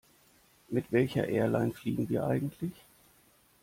Mit welcher Airline fliegen wir eigentlich?